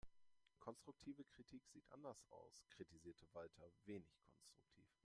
Konstruktive Kritik sieht anders aus, kritisierte Walter wenig konstruktiv.